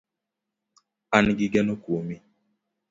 An gi geno kuomi